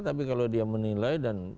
tapi kalau dia menilai dan